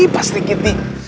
pak sri giti